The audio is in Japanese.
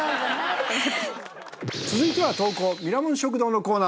続いては。